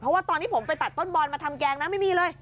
เพราะว่าตอนที่ผมไปตัดต้นบอลมาทำแกงนะไม่มีเลย